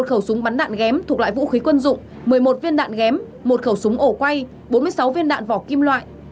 một khẩu súng bắn đạn ghém thuộc loại vũ khí quân dụng một mươi một viên đạn ghém một khẩu súng ổ quay bốn mươi sáu viên đạn vỏ kim loại